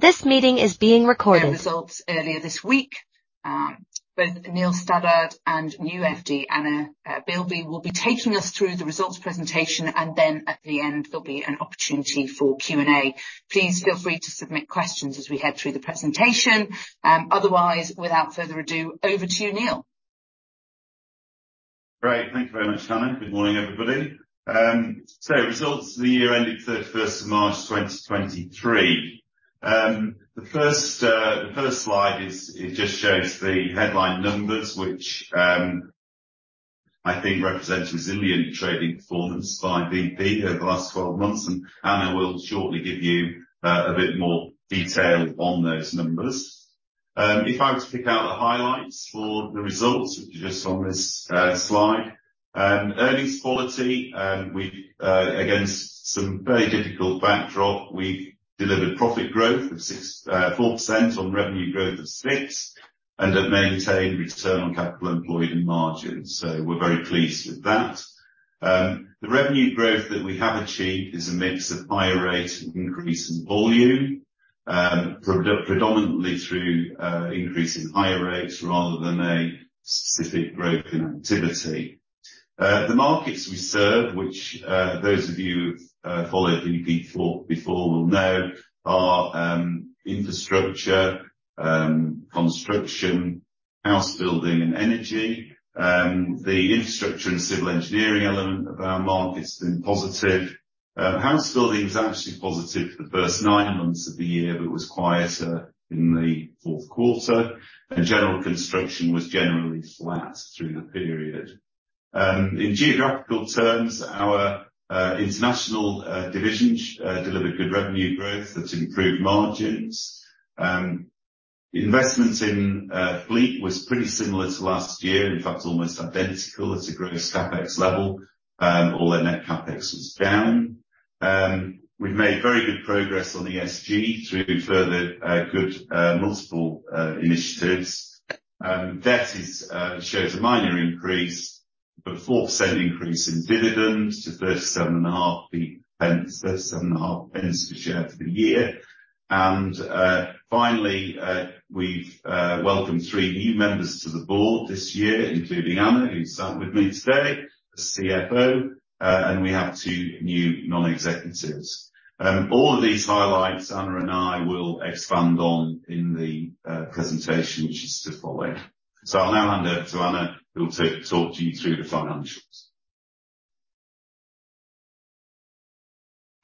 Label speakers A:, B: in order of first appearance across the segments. A: This meeting is being recorded....
B: results earlier this week. Both Neil Stothard and new FD, Anna Bielby, will be taking us through the results presentation, and then at the end, there'll be an opportunity for Q&A. Please feel free to submit questions as we head through the presentation. Without further ado, over to you, Neil.
C: Great. Thank you very much, Hannah. Good morning, everybody. Results for the year ending 31st of March, 2023. The first slide just shows the headline numbers, which I think represent resilient trading performance by Vp over the last 12 months, and Anna will shortly give you a bit more detail on those numbers. If I were to pick out the highlights for the results, which are just on this slide. Earnings quality, we against some very difficult backdrop, we delivered profit growth of 4% on revenue growth of 6%, and have maintained return on capital employed and margins. We're very pleased with that. The revenue growth that we have achieved is a mix of higher rate and increase in volume, predominantly through increasing higher rates rather than a specific growth in activity. The markets we serve, which those of you who followed Vp before will know, are infrastructure, construction, house building, and energy. The infrastructure and civil engineering element of our market has been positive. House building was absolutely positive for the first nine months of the year, but was quieter in the fourth quarter, and general construction was generally flat through the period. In geographical terms, our international divisions delivered good revenue growth that improved margins. Investments in fleet was pretty similar to last year, in fact, almost identical at a gross CapEx level. Although net CapEx was down. We've made very good progress on ESG through further good multiple initiatives. Debt shows a minor increase. 4% increase in dividends to 0.375, 0.375 per share for the year. Finally, we've welcomed three new members to the board this year, including Anna, who's sat with me today, the CFO, and we have two new non-executives. All of these highlights, Anna and I will expand on in the presentation, which is to follow. I'll now hand over to Anna, who will talk you through the financials.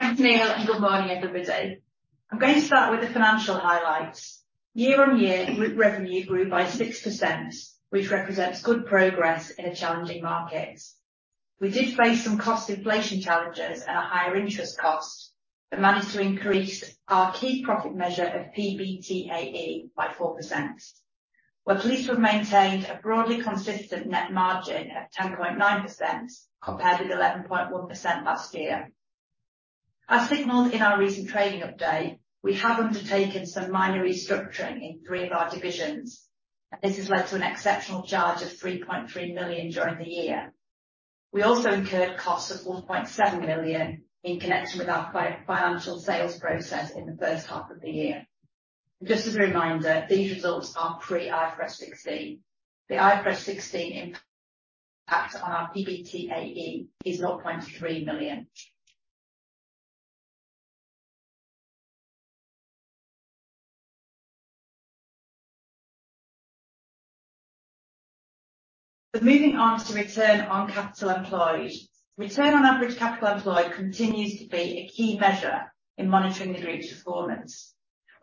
D: Thanks, Neil. Good morning, everybody. I'm going to start with the financial highlights. Year-on-year, group revenue grew by 6%, which represents good progress in a challenging market. We did face some cost inflation challenges and a higher interest cost. We managed to increase our key profit measure of PBTAE by 4%. We're pleased to have maintained a broadly consistent net margin of 10.9%, compared with 11.1% last year. As signaled in our recent trading update, we have undertaken some minor restructuring in three of our divisions. This has led to an exceptional charge of 3.3 million during the year. We also incurred costs of 1.7 million in connection with our financial sales process in the first half of the year. Just as a reminder, these results are pre IFRS 16. The IFRS 16 impact on our PBTAE is 0.3 million. Moving on to return on capital employed. Return on average, capital employed continues to be a key measure in monitoring the group's performance.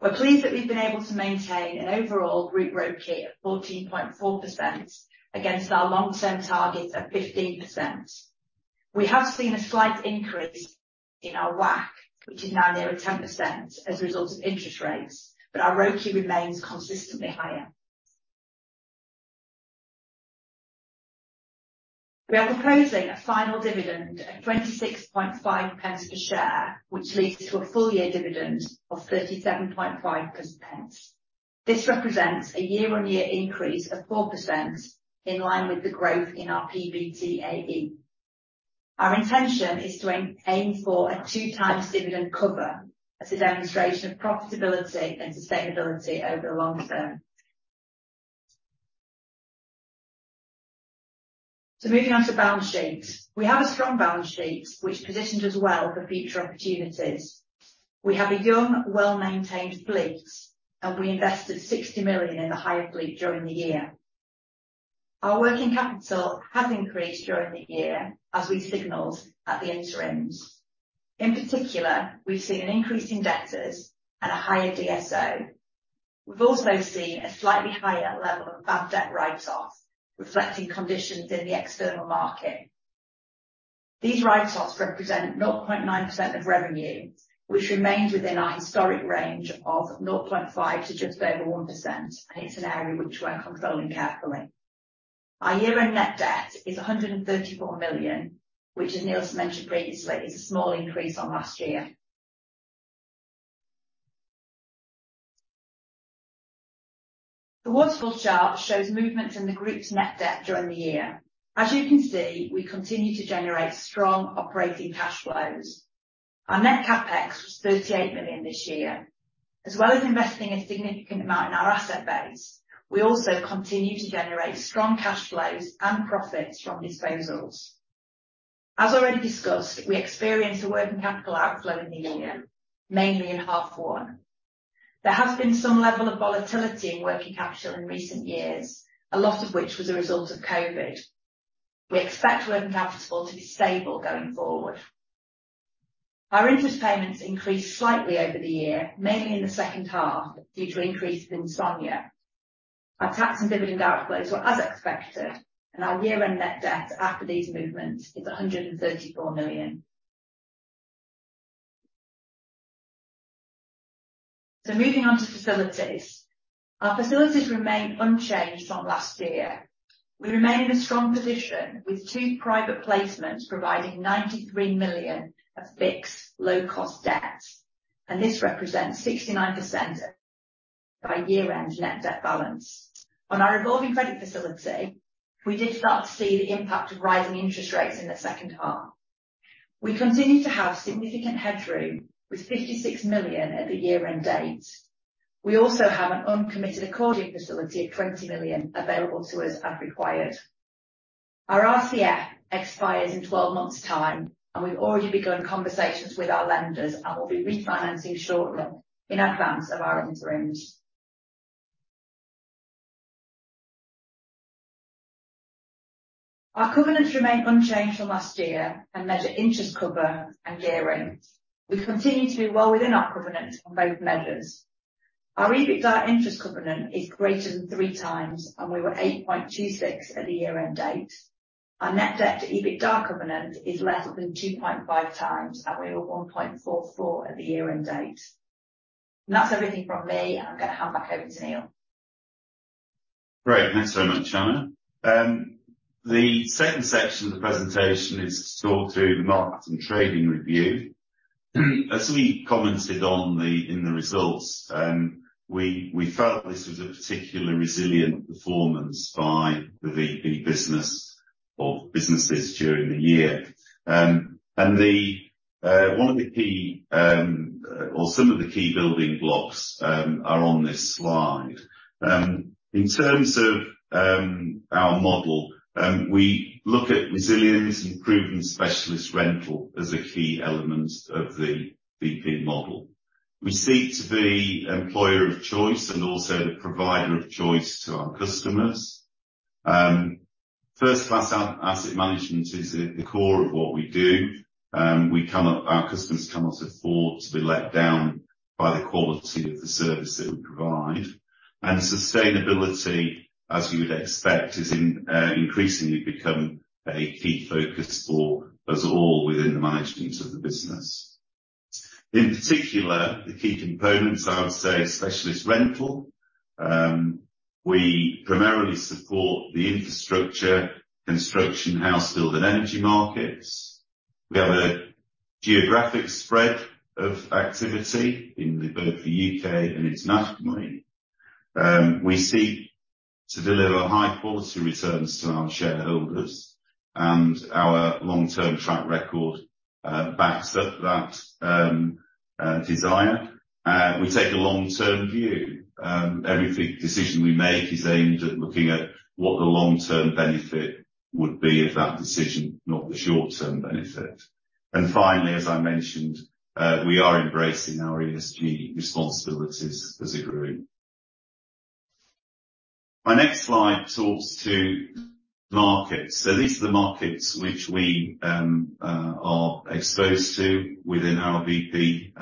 D: We're pleased that we've been able to maintain an overall group ROCE of 14.4% against our long-term target of 15%. We have seen a slight increase in our WACC, which is now nearer 10% as a result of interest rates, but our ROCE remains consistently higher. We are proposing a final dividend of 0.265 per share, which leads to a full year dividend of 0.375. This represents a year-on-year increase of 4% in line with the growth in our PBTAE. Our intention is to aim for a 2x dividend cover as a demonstration of profitability and sustainability over the long term. Moving on to balance sheet. We have a strong balance sheet, which positions us well for future opportunities. We have a young, well-maintained fleet, and we invested 60 million in the hire fleet during the year. Our working capital has increased during the year, as we signaled at the interims. In particular, we've seen an increase in debtors and a higher DSO. We've also seen a slightly higher level of bad debt write-offs, reflecting conditions in the external market. These write-offs represent 0.9% of revenue, which remains within our historic range of 0.5% to just over 1%, and it's an area which we're controlling carefully. Our year-end net debt is 134 million, which, as Neil mentioned previously, is a small increase on last year. The waterfall chart shows movements in the group's net debt during the year. As you can see, we continue to generate strong operating cash flows. Our net CapEx was 38 million this year. As well as investing a significant amount in our asset base, we also continue to generate strong cash flows and profits from disposals. As already discussed, we experienced a working capital outflow in the year, mainly in half one. There has been some level of volatility in working capital in recent years, a lot of which was a result of COVID. We expect working capital to be stable going forward. Our interest payments increased slightly over the year, mainly in the second half, due to increases in SONIA. Our tax and dividend outflows were as expected, and our year-end net debt after these movements is 134 million. Moving on to facilities. Our facilities remain unchanged from last year. We remain in a strong position, with two private placements providing 93 million of fixed low-cost debt. This represents 69% by year-end net debt balance. On our revolving credit facility, we did start to see the impact of rising interest rates in the second half. We continue to have significant headroom, with 56 million at the year-end date. We also have an uncommitted accordion facility of 20 million available to us as required. Our RCF expires in 12 months' time. We've already begun conversations with our lenders and will be refinancing shortly in advance of our end range. Our covenants remain unchanged from last year and measure interest cover and gearing. We continue to be well within our covenants on both measures. Our EBITDA interest covenant is greater than 3x. We were 8.26x at the year-end date. Our net debt to EBITDA covenant is less than 2.5x. We were 1.44x at the year-end date. That's everything from me, and I'm gonna hand back over to Neil.
C: Great, thanks so much, Anna. The second section of the presentation is to talk through the markets and trading review. As we commented in the results, we felt this was a particularly resilient performance by the Vp business or businesses during the year. One of the key or some of the key building blocks are on this slide. In terms of our model, we look at resilience and proven specialist rental as a key element of the Vp model. We seek to be employer of choice and also the provider of choice to our customers. First-class asset management is at the core of what we do. Our customers cannot afford to be let down by the quality of the service that we provide. Sustainability, as you would expect, has increasingly become a key focus for us all within the management of the business. In particular, the key components, I would say, specialist rental. We primarily support the infrastructure, construction, house building, and energy markets. We have a geographic spread of activity in both the U.K. and internationally. We seek to deliver high-quality returns to our shareholders, and our long-term track record backs up that desire. We take a long-term view. Every decision we make is aimed at looking at what the long-term benefit would be if that decision, not the short-term benefit. Finally, as I mentioned, we are embracing our ESG responsibilities as a group. My next slide talks to markets. These are the markets which we are exposed to within our Vp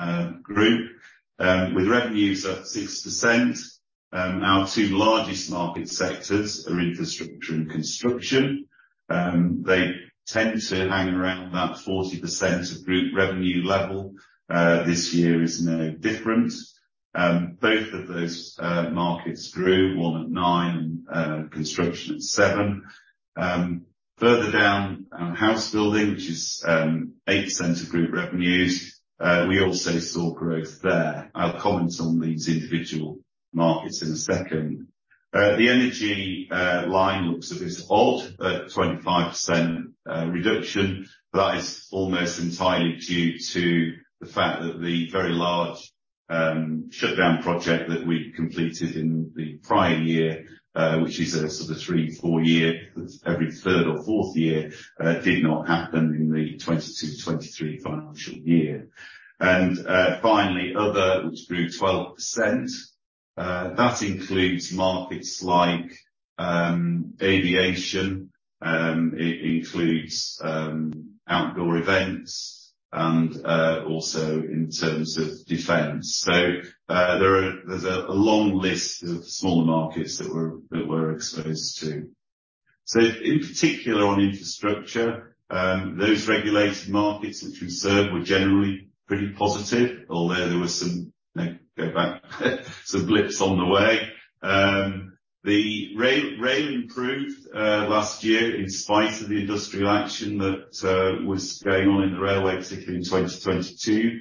C: group. With revenues up 6%, our two largest market sectors are infrastructure and construction. They tend to hang around that 40% of group revenue level. This year is no different. Both of those markets grew, one at 9% and construction at 7%. Further down, house building, which is 8% of group revenues, we also saw growth there. I'll comment on these individual markets in a second. The energy line looks a bit odd, at 25% reduction, but that is almost entirely due to the fact that the very large shutdown project that we completed in the prior year, which is a sort of three, four year, every third or fourth year, did not happen in the 2022, 2023 financial year. Finally, other, which grew 12%, that includes markets like aviation, it includes outdoor events and also in terms of defense. There's a long list of smaller markets that we're exposed to. In particular, on infrastructure, those regulated markets, which we serve, were generally pretty positive, although there were some blips on the way. The rail improved last year, in spite of the industrial action that was going on in the railway, particularly in 2022.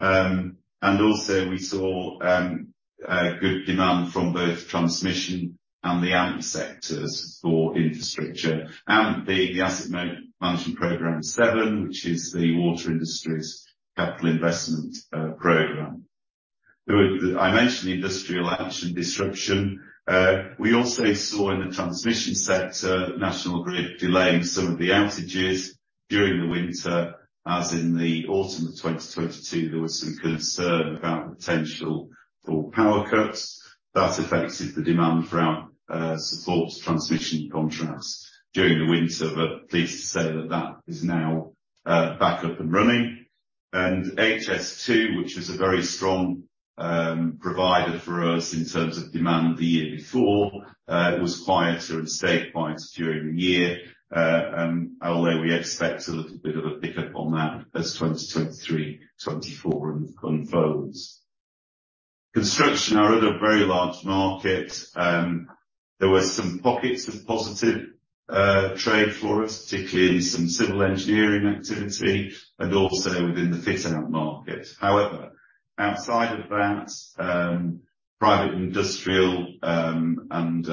C: Also we saw good demand from both transmission and the AMP sectors for infrastructure and the Asset Management Program 7, which is the water industry's capital investment program. I mentioned the industrial action disruption. We also saw in the transmission sector, National Grid delaying some of the outages during the winter, as in the autumn of 2022, there was some concern about potential for power cuts. That affected the demand for our support transmission contracts during the winter, but pleased to say that that is now back up and running. HS2, which was a very strong provider for us in terms of demand the year before, was quieter and stayed quiet during the year. Although we expect a little bit of a pickup on that as 2023, 2024 unfolds. Construction, our other very large market, there were some pockets of positive trade for us, particularly in some civil engineering activity and also within the fit-out market. Outside of that, private industrial, and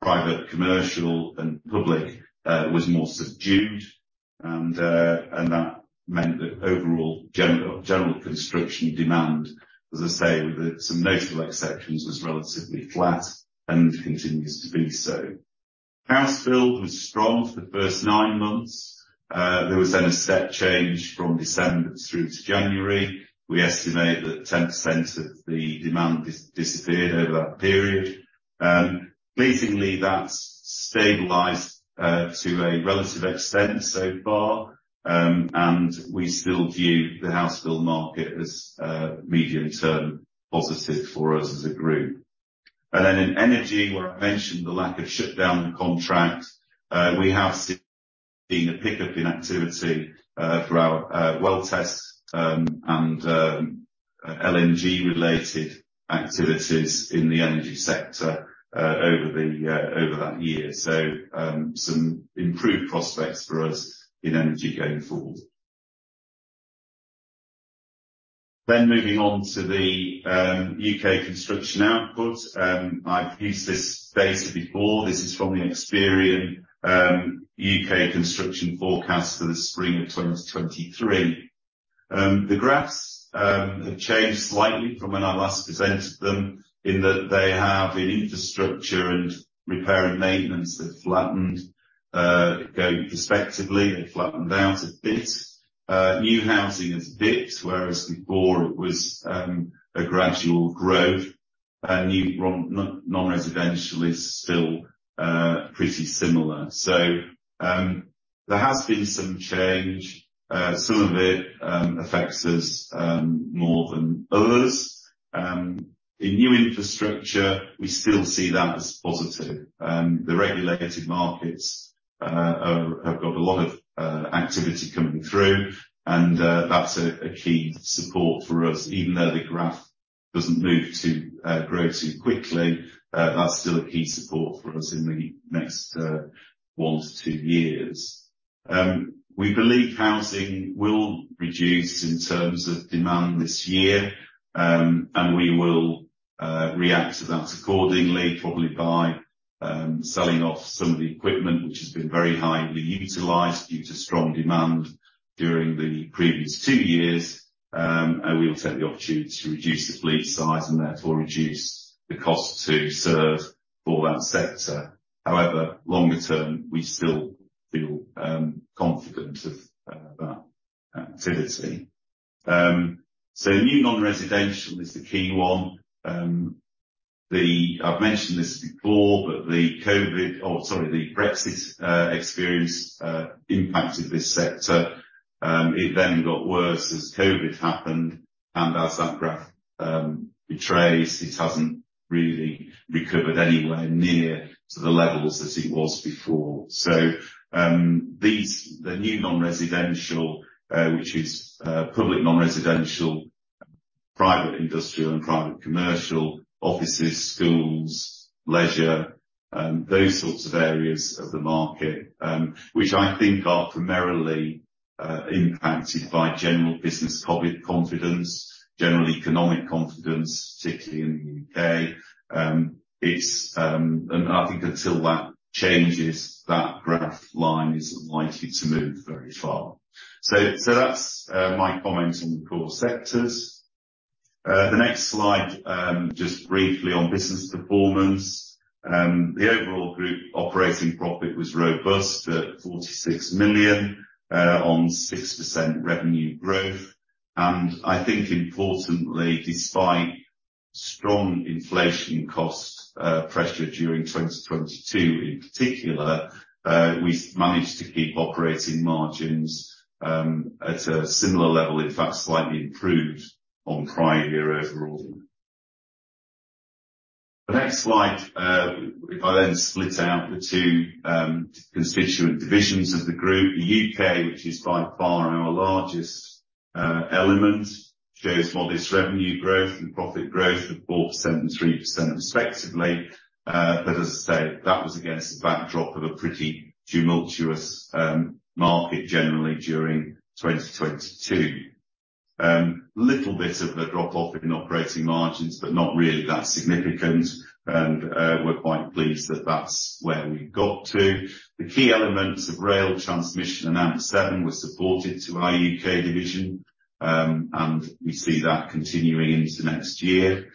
C: private, commercial, and public, was more subdued, and that meant that overall general construction demand, as I say, with some notable exceptions, was relatively flat and continues to be so. House build was strong for the first nine months. There was a step change from December through to January. We estimate that 10% of the demand disappeared over that period. Pleasingly, that's stabilized to a relative extent so far, and we still view the house build market as medium-term positive for us as a group. In energy, where I mentioned the lack of shutdown contracts, we have seen a pickup in activity for our well tests, and LNG-related activities in the energy sector over that year. Some improved prospects for us in energy going forward. Moving on to the U.K. construction output. I've used this data before. This is from the Experian U.K. construction forecast for the spring of 2023. The graphs have changed slightly from when I last presented them, in that they have an infrastructure and repair and maintenance that flattened, going respectively. They flattened out a bit. New housing has dipped, whereas before it was a gradual growth, and new non-residential is still pretty similar. There has been some change. Some of it affects us more than others. In new infrastructure, we still see that as positive. The regulated markets have got a lot of activity coming through, and that's a key support for us. Even though the graph doesn't move too grow too quickly, that's still a key support for us in the next one to two years. We believe housing will reduce in terms of demand this year, and we will react to that accordingly, probably by selling off some of the equipment, which has been very highly utilized due to strong demand during the previous two years. We will take the opportunity to reduce the fleet size and therefore reduce the cost to serve for that sector. However, longer term, we still feel confident of that activity. New non-residential is the key one. I've mentioned this before, but the COVID, or sorry, the Brexit experience impacted this sector. It then got worse as COVID happened, as that graph betrays, it hasn't really recovered anywhere near to the levels that it was before. These, the new non-residential, which is public non-residential, private industrial, and private commercial, offices, schools, leisure, those sorts of areas of the market, which I think are primarily impacted by general business confidence, general economic confidence, particularly in the U.K. I think until that changes, that graph line isn't likely to move very far. That's my comments on the core sectors. The next slide just briefly on business performance. The overall group operating profit was robust at 46 million on 6% revenue growth. I think importantly, despite strong inflation cost pressure during 2022 in particular, we managed to keep operating margins at a similar level, in fact, slightly improved on prior year overall. The next slide, if I then split out the two constituent divisions of the group, the U.K., which is by far our largest element, shows modest revenue growth and profit growth of 4% and 3% respectively. As I said, that was against the backdrop of a pretty tumultuous market generally during 2022. Little bit of a drop off in operating margins, but not really that significant. We're quite pleased that that's where we got to. The key elements of rail transmission and AMP7 were supported to our U.K. division, and we see that continuing into next year.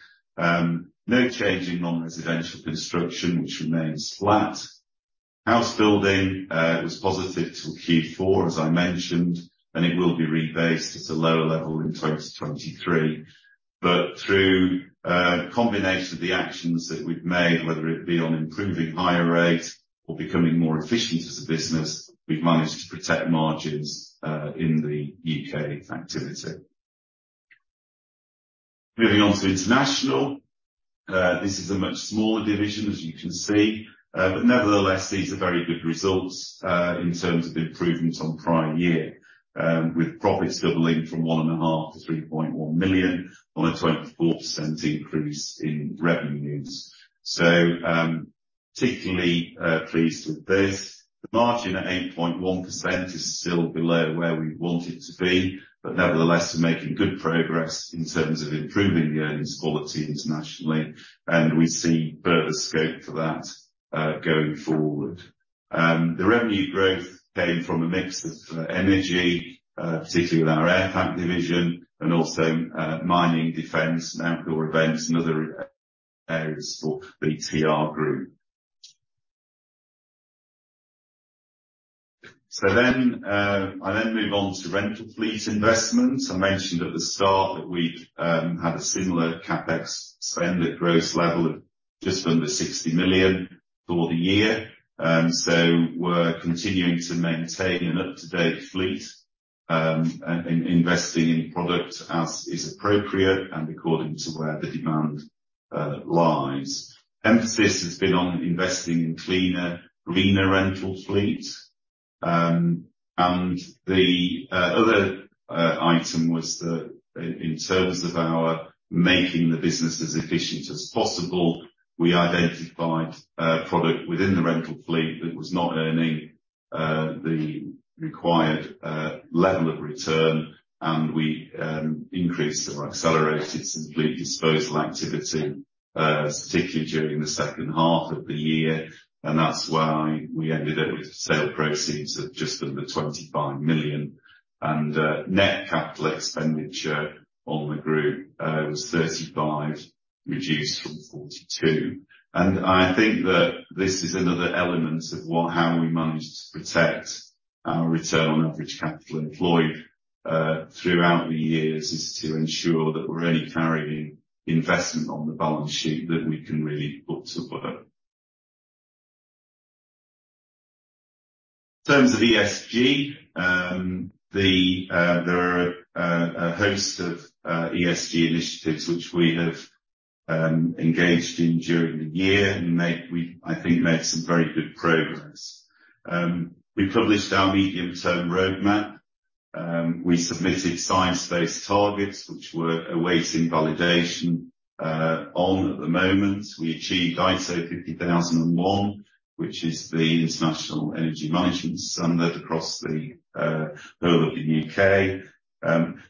C: No change in non-residential construction, which remains flat. House building was positive till Q4, as I mentioned, and it will be rebased at a lower level in 2023. Through a combination of the actions that we've made, whether it be on improving higher rates or becoming more efficient as a business, we've managed to protect margins in the U.K. activity. Moving on to international. This is a much smaller division, as you can see, but nevertheless, these are very good results in terms of the improvements on prior year, with profits doubling from one and a half million to 3.1 million on a 24% increase in revenues. Particularly pleased with this. The margin at 8.1% is still below where we want it to be, but nevertheless, we're making good progress in terms of improving the earnings quality internationally, and we see further scope for that going forward. The revenue growth came from a mix of energy, particularly with our Airpac division and also mining, defense, and outdoor events, and other areas for the TR Group. I'll then move on to rental fleet investments. I mentioned at the start that we had a similar CapEx spend at gross level of just under 60 million for the year. We're continuing to maintain an up-to-date fleet, and investing in product as is appropriate and according to where the demand lies. Emphasis has been on investing in cleaner, greener rental fleet. The other item was the, in terms of our making the business as efficient as possible, we identified product within the rental fleet that was not earning the required level of return, and we increased or accelerated some fleet disposal activity particularly during the second half of the year. That's why we ended up with sale proceeds of just under 25 million, and net capital expenditure on the group was 35 million, reduced from 42 million. I think that this is another element of what, how we managed to protect our return on average capital employed throughout the years, is to ensure that we're only carrying investment on the balance sheet that we can really put to work. In terms of ESG, there are a host of ESG initiatives which we have engaged in during the year, and made, we, I think, made some very good progress. We published our medium-term roadmap. We submitted science-based targets, which we're awaiting validation on at the moment. We achieved ISO 50001, which is the International Energy Management Standard across the whole of the U.K.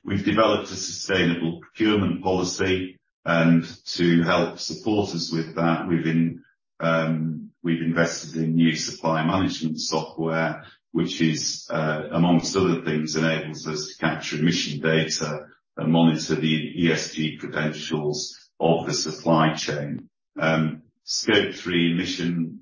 C: We've developed a sustainable procurement policy, and to help support us with that, we've invested in new supply management software, which is amongst other things, enables us to capture emission data and monitor the ESG credentials of the supply chain. Scope 3 emission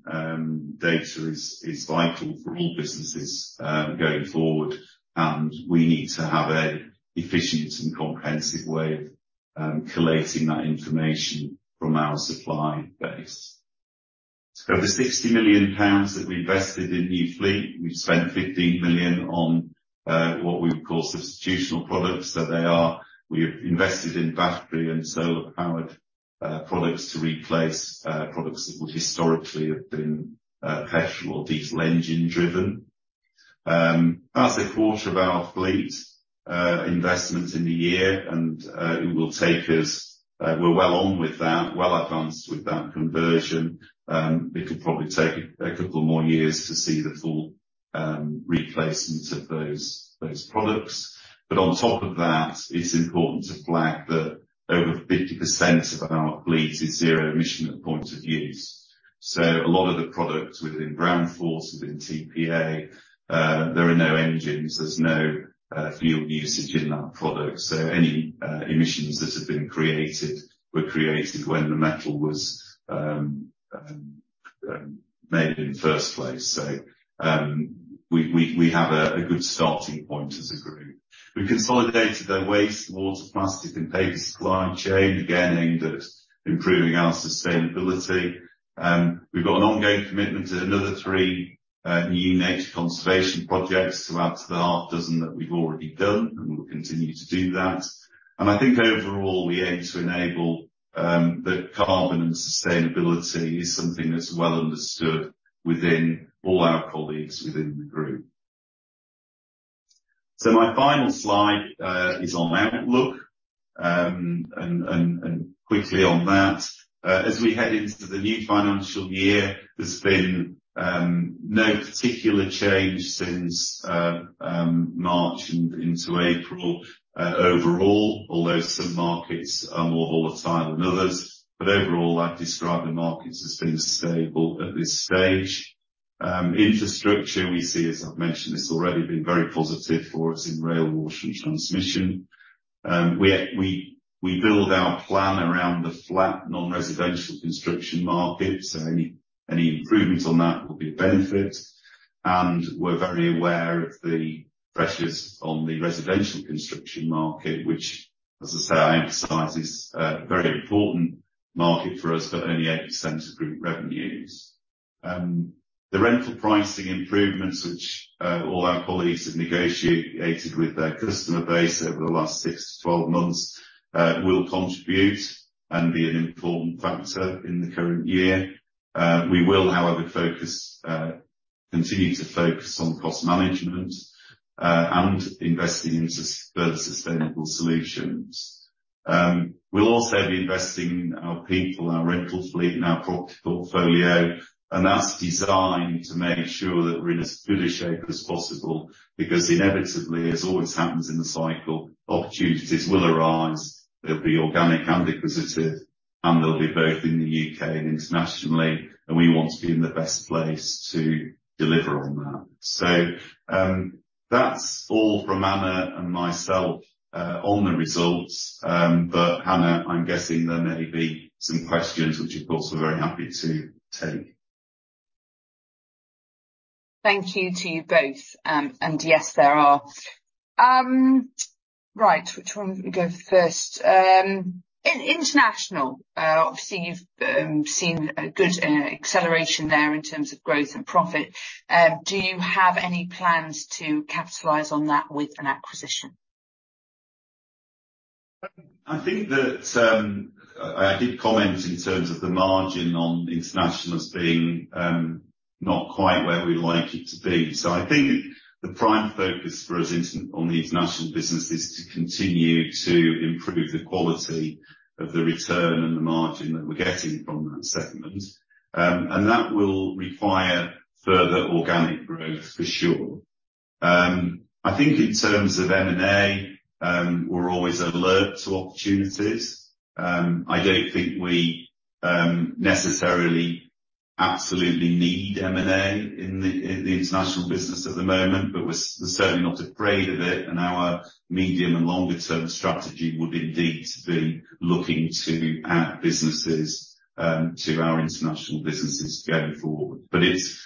C: data is vital for all businesses going forward, and we need to have a efficient and comprehensive way of collecting that information from our supply base. The 60 million pounds that we invested in new fleet, we've spent 15 million on what we would call substitutional products. They are, we've invested in battery and solar-powered products to replace products that would historically have been petrol or diesel engine-driven. That's a quarter of our fleet investment in the year, and it will take us. We're well on with that, well advanced with that conversion. It could probably take a couple more years to see the full replacement of those products. On top of that, it's important to flag that over 50% of our fleet is zero emission at point of use. A lot of the products within Groundforce, within TPA, there are no engines, there's no fuel usage in that product. Any emissions that have been created were created when the metal was made in the first place. We have a good starting point as a group. We consolidated the waste, water, plastic, and paper supply chain, again, aimed at improving our sustainability. We've got an ongoing commitment to another three new nature conservation projects to add to the six that we've already done, and we'll continue to do that. I think overall, we aim to enable, that carbon and sustainability is something that's well understood within all our colleagues within the group. My final slide is on outlook. And quickly on that, as we head into the new financial year, there's been no particular change since March into April, overall, although some markets are more volatile than others. Overall, I'd describe the markets as being stable at this stage. Infrastructure, we see, as I've mentioned, it's already been very positive for us in rail, water, and transmission. We build our plan around the flat, non-residential construction market, so any improvements on that will be a benefit. We're very aware of the pressures on the residential construction market, which, as I say, I emphasize, is a very important market for us, but only 8% of group revenues. The rental pricing improvements, which all our colleagues have negotiated with their customer base over the last six to 12 months, will contribute and be an important factor in the current year. We will, however, focus, continue to focus on cost management and investing in further sustainable solutions. We'll also be investing in our people, our rental fleet, and our portfolio, and that's designed to make sure that we're in as good a shape as possible, because inevitably, as always happens in the cycle, opportunities will arise. They'll be organic and acquisitive, and they'll be both in the U.K. and internationally, and we want to be in the best place to deliver on that. That's all from Anna and myself on the results. Anna, I'm guessing there may be some questions, which, of course, we're very happy to take.
B: Thank you to you both. Yes, there are. Right. Which one do we go first? In international, obviously, you've seen a good acceleration there in terms of growth and profit. Do you have any plans to capitalize on that with an acquisition?
C: I think that I did comment in terms of the margin on international as being not quite where we'd like it to be. I think the prime focus for us in, on the international business is to continue to improve the quality of the return and the margin that we're getting from that segment. That will require further organic growth, for sure. I think in terms of M&A, we're always alert to opportunities. I don't think we necessarily absolutely need M&A in the international business at the moment, but we're certainly not afraid of it, and our medium and longer-term strategy would indeed be looking to add businesses to our international businesses going forward. It's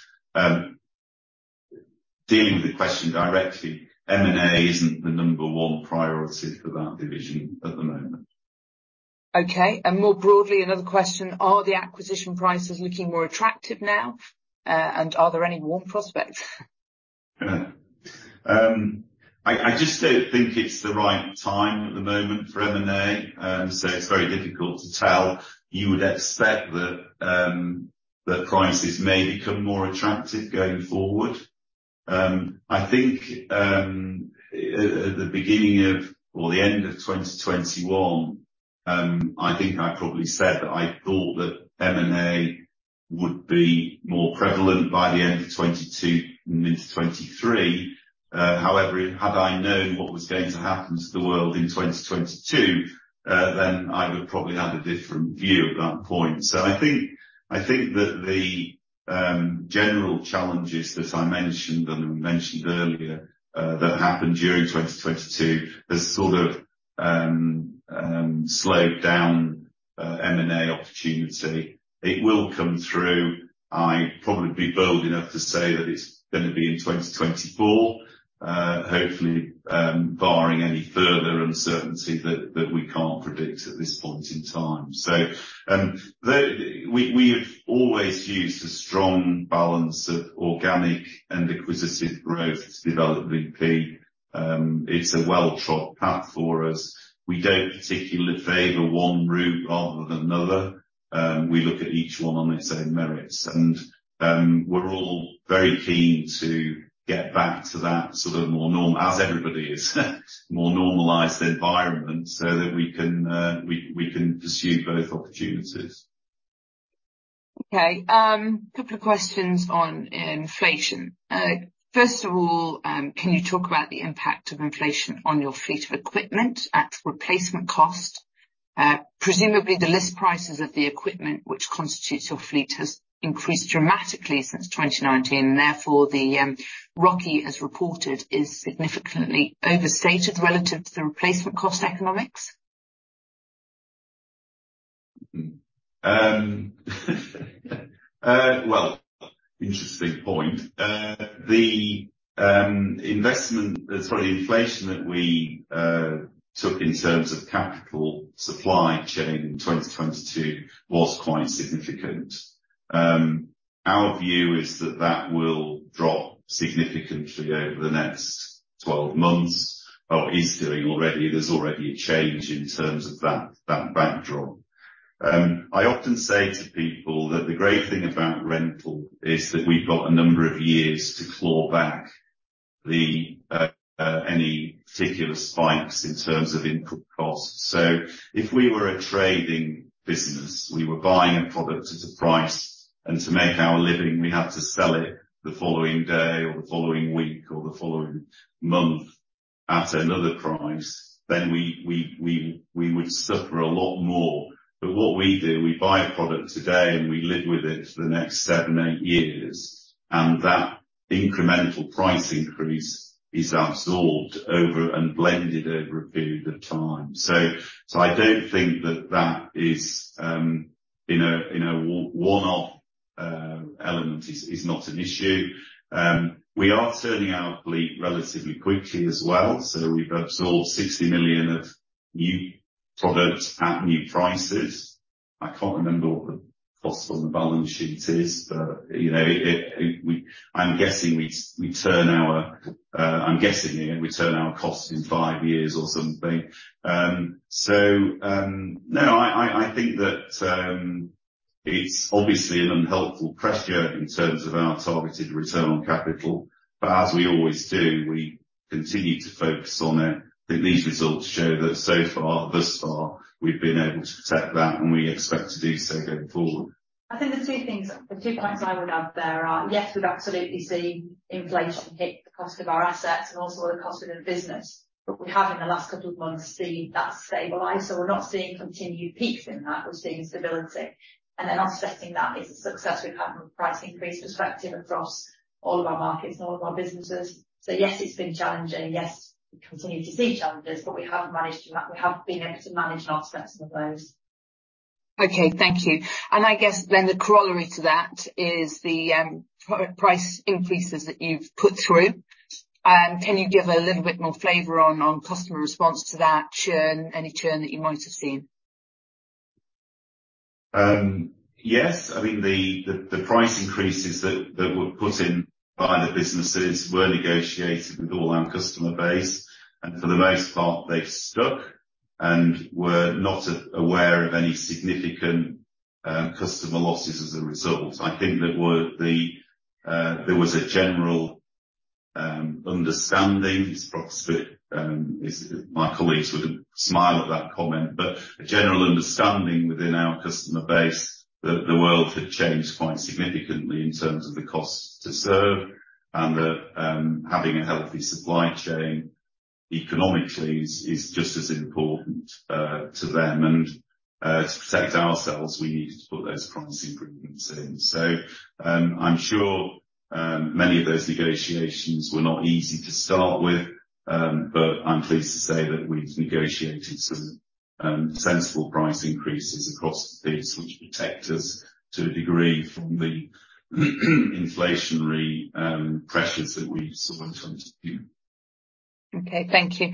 C: dealing with the question directly, M&A isn't the number one priority for that division at the moment.
B: Okay, more broadly, another question: Are the acquisition prices looking more attractive now? Are there any warm prospects?
C: I just don't think it's the right time at the moment for M&A. It's very difficult to tell. You would expect that prices may become more attractive going forward. I think at the beginning of or the end of 2021, I think I probably said that I thought that M&A would be more prevalent by the end of 2022 and into 2023. Had I known what was going to happen to the world in 2022, then I would probably have a different view at that point. I think that the general challenges that I mentioned and we mentioned earlier, that happened during 2022, has sort of slowed down M&A opportunity. It will come through. I'd probably be bold enough to say that it's gonna be in 2024. Hopefully, barring any further uncertainty that we can't predict at this point in time. We have always used a strong balance of organic and acquisitive growth to develop Vp. It's a well-trod path for us. We don't particularly favor one route rather than another. We look at each one on its own merits, and we're all very keen to get back to that sort of more norm, as everybody is, more normalized environment, so that we can pursue both opportunities.
B: Okay, a couple of questions on inflation. First of all, can you talk about the impact of inflation on your fleet of equipment at replacement cost? Presumably, the list prices of the equipment, which constitutes your fleet, has increased dramatically since 2019, the ROCE, as reported, is significantly overstated relative to the replacement cost economics.
C: Well, interesting point. The investment, sorry, inflation that we took in terms of capital supply chain in 2022 was quite significant. Our view is that that will drop significantly over the next 12 months. Well, it's doing already. There's already a change in terms of that backdrop. I often say to people that the great thing about rental is that we've got a number of years to claw back any particular spikes in terms of input costs. If we were a trading business, we were buying a product at a price, and to make our living, we have to sell it the following day or the following week or the following month at another price, then we would suffer a lot more. What we do, we buy a product today, and we live with it for the next seven, eight years, and that incremental price increase is absorbed over, and blended over a period of time. I don't think that that is, you know, one-off element is not an issue. We are turning our fleet relatively quickly as well, so we've absorbed 60 million of new products at new prices. I can't remember what the cost on the balance sheet is, but, you know, it, I'm guessing we turn our, I'm guessing here, we turn our costs in five years or something. No, I think that it's obviously an unhelpful pressure in terms of our targeted return on capital, but as we always do, we continue to focus on it. I think these results show that so far, thus far, we've been able to protect that, and we expect to do so going forward.
D: I think the two things, the two points I would add there are, yes, we've absolutely seen inflation hit the cost of our assets and also the cost of doing business, but we have, in the last couple of months, seen that stabilize. We're not seeing continued peaks in that. We're seeing stability. Offsetting that is the success we've had from a price increase perspective across all of our markets and all of our businesses. Yes, it's been challenging, yes, we continue to see challenges, but we have managed a lot, we have been able to manage our aspects of those.
B: Okay, thank you. I guess then the corollary to that is the price increases that you've put through. Can you give a little bit more flavor on customer response to that churn, any churn that you might have seen?
C: Yes. I mean, the price increases that were put in by the businesses were negotiated with all our customer base, and for the most part, they've stuck and we're not aware of any significant customer losses as a result. There was a general understanding, it's perhaps, but, my colleagues would smile at that comment, but a general understanding within our customer base that the world had changed quite significantly in terms of the costs to serve, and that having a healthy supply chain economically is just as important to them. To protect ourselves, we needed to put those price improvements in. I'm sure, many of those negotiations were not easy to start with, but I'm pleased to say that we've negotiated some sensible price increases across the piece, which protect us to a degree from the inflationary pressures that we've sort of come to view.
B: Okay, thank you.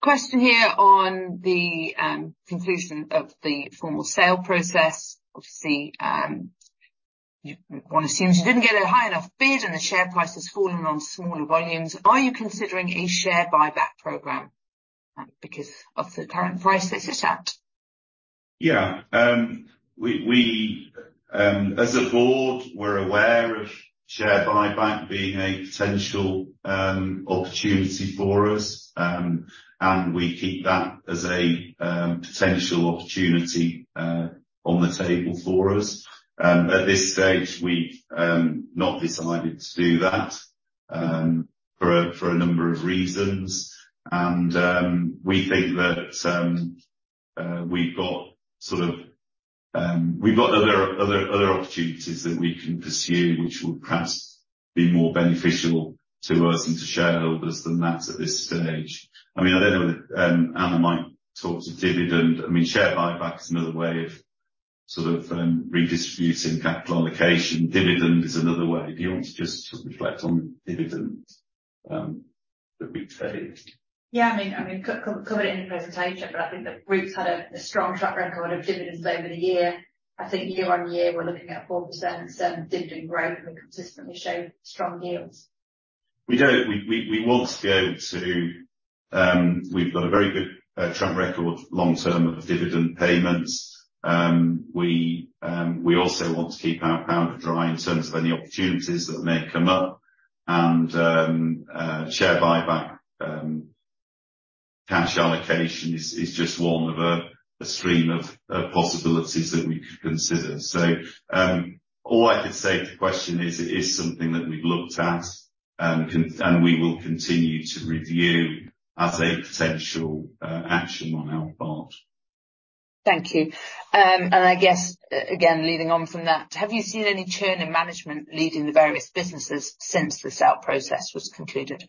B: question here on the conclusion of the formal sale process. Obviously, you, one assumes you didn't get a high enough bid, and the share price has fallen on smaller volumes. Are you considering a share buyback program, because of the current price that it's at?
C: Yeah. We, as a board, we're aware of share buyback being a potential opportunity for us. We keep that as a potential opportunity on the table for us. At this stage, we've not decided to do that for a number of reasons. We think that we've got other opportunities that we can pursue, which will perhaps be more beneficial to us and to shareholders than that at this stage. I mean, I don't know, Anna might talk to dividend. I mean, share buyback is another way of sort of redistributing capital allocation. Dividend is another way. Do you want to just reflect on dividend that we've paid?
D: I mean, covered it in the presentation. I think the group's had a strong track record of dividends over the year. I think year-over-year, we're looking at 4%, 7 dividend growth. We consistently show strong yields.
C: We don't. We want to be able to, we've got a very good track record long term of dividend payments. We also want to keep our powder dry in terms of any opportunities that may come up. Share buyback, cash allocation is just one of a stream of possibilities that we could consider. All I can say to the question is, it is something that we've looked at and we will continue to review as a potential action on our part.
B: Thank you. I guess, again, leading on from that, have you seen any churn in management leading the various businesses since the sale process was concluded?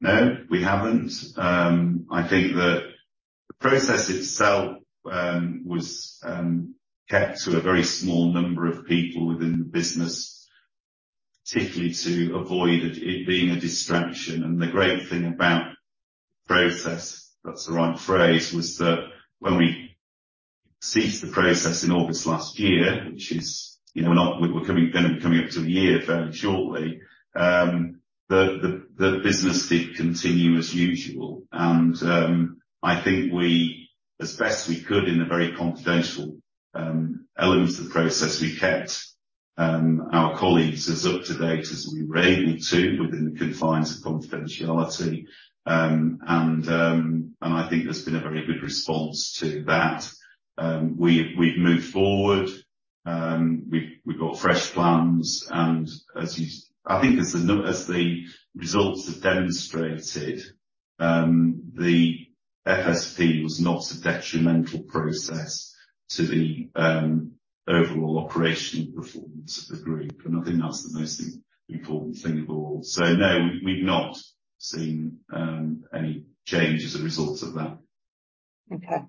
C: No, we haven't. I think that the process itself was kept to a very small number of people within the business, particularly to avoid it being a distraction. The great thing about the process, if that's the right phrase, was that when we ceased the process in August last year, which is, you know, we're coming, gonna be coming up to a year very shortly. The business did continue as usual, I think we, as best we could in the very confidential elements of the process, we kept our colleagues as up to date as we were able to within the confines of confidentiality. I think there's been a very good response to that. We've moved forward, we've got fresh plans, and I think as the results have demonstrated, the FSP was not a detrimental process to the overall operational performance of the group, and I think that's the most important thing of all. No, we've not seen any change as a result of that.
B: Okay.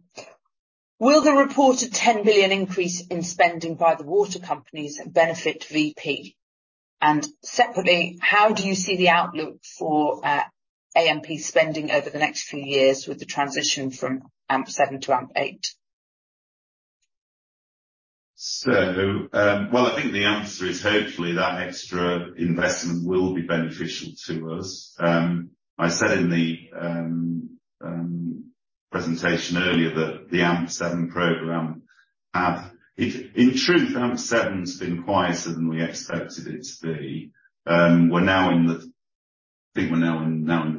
B: Will the reported 10 billion increase in spending by the water companies benefit Vp? Separately, how do you see the outlook for AMP spending over the next few years with the transition from AMP7 to AMP8?
C: Well, I think the answer is hopefully that extra investment will be beneficial to us. I said in the presentation earlier that the AMP7 program have... In truth, AMP7's been quieter than we expected it to be. I think we're now in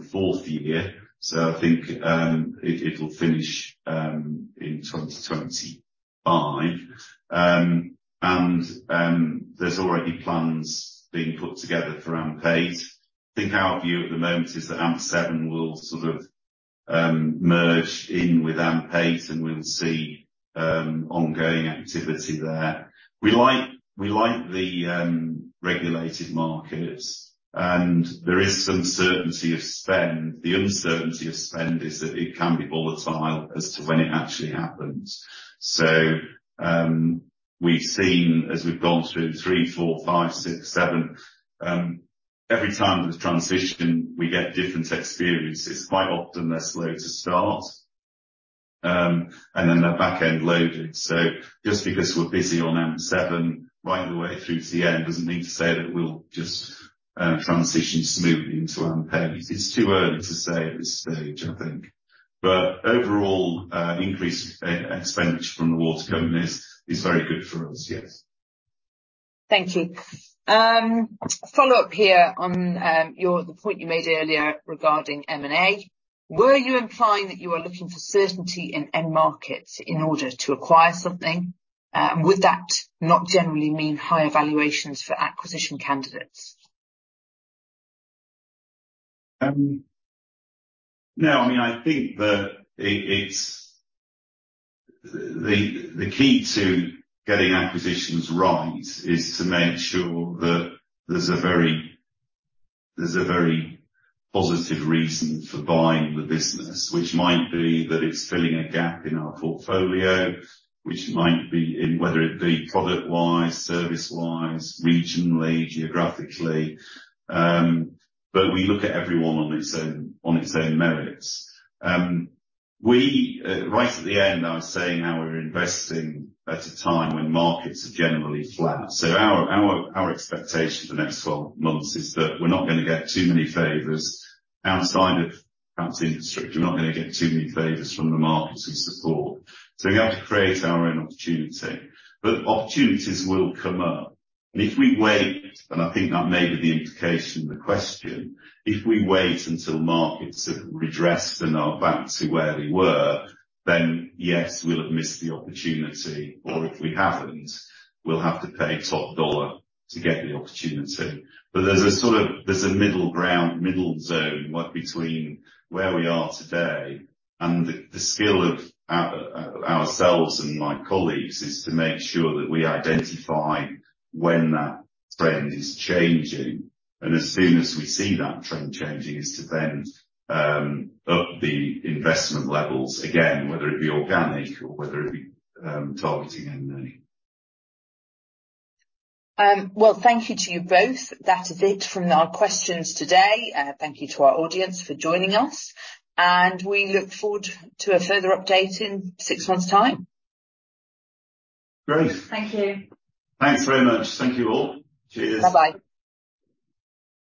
C: the fourth year, so I think it'll finish in 2025. There's already plans being put together for AMP8. I think our view at the moment is that AMP7 will sort of merge in with AMP8, and we'll see ongoing activity there. We like the regulated markets, and there is some certainty of spend. The uncertainty of spend is that it can be volatile as to when it actually happens. We've seen as we've gone through AMP3, AMP4, AMP5, AMP6, AMP7, every time there's a transition, we get different experiences. Quite often, they're slow to start, and then they're back-end loaded. Just because we're busy on AMP7 right the way through to the end, doesn't mean to say that we'll just transition smoothly into AMP8. It's too early to say at this stage, I think. Overall, increased expenditure from the water companies is very good for us, yes.
B: Thank you. Follow up here on the point you made earlier regarding M&A. Were you implying that you are looking for certainty in end markets in order to acquire something? Would that not generally mean higher valuations for acquisition candidates?
C: No. I mean, I think that the key to getting acquisitions right is to make sure that there's a very positive reason for buying the business, which might be that it's filling a gap in our portfolio, which might be in whether it be product-wise, service-wise, regionally, geographically, but we look at everyone on its own, on its own merits. We, right at the end, I was saying how we're investing at a time when markets are generally flat. Our expectation for the next 12 months is that we're not gonna get too many favors outside of perhaps the industry. We're not gonna get too many favors from the markets as before. We have to create our own opportunity. Opportunities will come up, and if we wait, and I think that may be the implication of the question, if we wait until markets have redressed and are bouncy where they were, then yes, we'll have missed the opportunity, or if we haven't, we'll have to pay top dollar to get the opportunity. But there's a sort of, there's a middle ground, middle zone, work between where we are today, and the skill of ourselves and my colleagues is to make sure that we identify when that trend is changing. As soon as we see that trend changing, is to then up the investment levels, again, whether it be organic or whether it be targeting M&A.
B: Well, thank you to you both. That is it from our questions today. Thank you to our audience for joining us, and we look forward to a further update in six months' time.
C: Great.
D: Thank you.
C: Thanks very much. Thank you, all. Cheers.
B: Bye-bye.